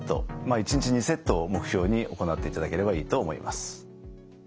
１日２セットを目標に行っていただければいいと思います。